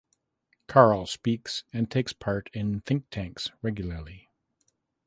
Karle speaks and takes part in think tanks regularly.